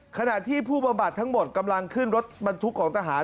ขณะที่ผู้บำบัดทั้งหมดกำลังขึ้นรถบรรทุกของทหาร